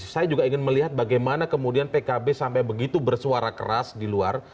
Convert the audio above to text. saya juga ingin melihat bagaimana kemudian pkb sampai begitu bersuara keras di luar